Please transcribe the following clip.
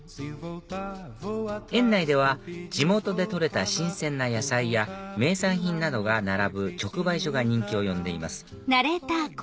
園内では地元で取れた新鮮な野菜や名産品などが並ぶ直売所が人気を呼んでいます